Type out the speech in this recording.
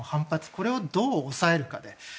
これをどう抑えるかで。